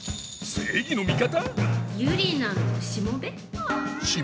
正義の味方？